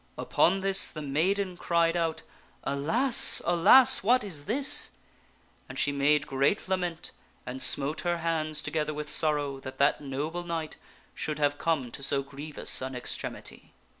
Upon this the maiden cried out, "Alas ! alas ! what is this !" and she made great lament and smote her hands together with sorrow that that noble knight should have come to so grievous an extremity.